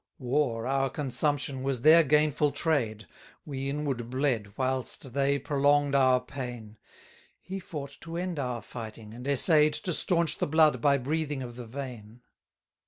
12 War, our consumption, was their gainful trade: We inward bled, whilst they prolong'd our pain; He fought to end our fighting, and essay'd To staunch the blood by breathing of the vein.